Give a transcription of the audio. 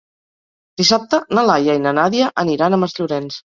Dissabte na Laia i na Nàdia aniran a Masllorenç.